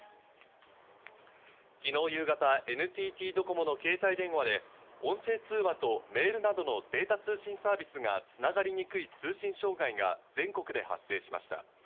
昨日夕方、ＮＴＴドコモの携帯電話で音声通話とメールなどのデータ通信サービスがつながりにくい通信障害が全国で発生しました。